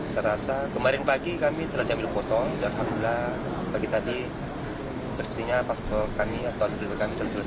saya rasa kemarin pagi kami telah diambil potong dan alhamdulillah pagi tadi bersihnya paspor kami atau seperti kami sudah selesai